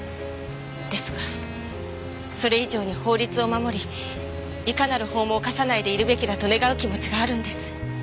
ですがそれ以上に法律を守りいかなる法も犯さないでいるべきだと願う気持ちがあるんです。